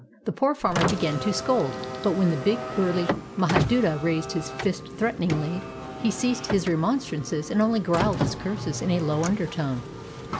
The poor farmer began to scold, but when the big, burly Mahaduta raised his fist threateningly, he ceased his remonstrances and only growled his curses in a low undertone.